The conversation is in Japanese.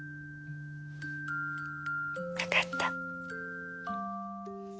分かった。